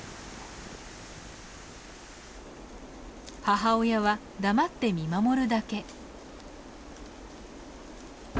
母親は黙って見守るだけ。